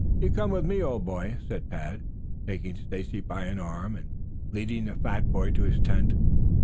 "You come with me, old boy," said Tad, taking Stacy by an arm and leading the fat boy to his tent.